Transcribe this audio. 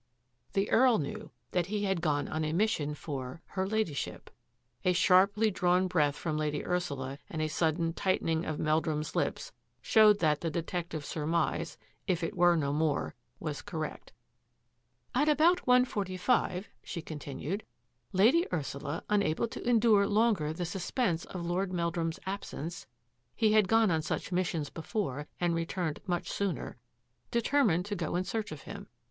The Earl knew that he had gone on a mission for — her Ladyship." ; A sharply drawn breath from Lady Ursula and a sudden tightening of Meldrum's lips showed that the detective's surmise — if it were no more — was correct. " At about one forty five," she continued, " Lady Ursula, unable to endure longer the sus pense of Lord Meldrum's absence — he had gone on such missions before and returned much sooner — determined to go in search of him.